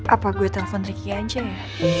apa gue telepon riki aja ya